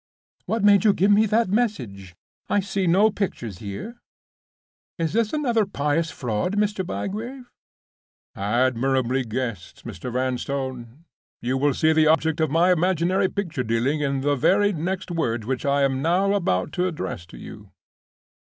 What made you give me that message? I see no pictures here. Is this another pious fraud, Mr. Bygrave?" "Admirably guessed, Mr. Vanstone! You will see the object of my imaginary picture dealing in the very next words which I am now about to address to you.